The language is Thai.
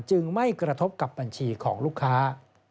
ไม่กระทบกับบัญชีของลูกค้า